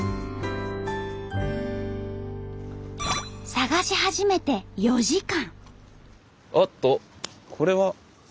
探し始めて４時間。